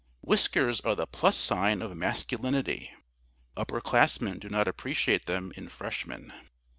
Whiskers are the plus sign of masculinity. Upper classmen do not appreciate them in Freshmen.